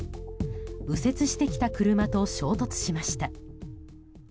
右折してきた車と衝突しました。